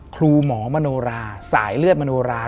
ครูหมอมโนราสายเลือดมโนรา